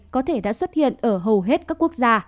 có thể đã xuất hiện ở hầu hết các quốc gia